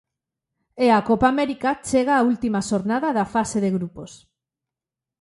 E a Copa América chega á última xornada da fase de grupos.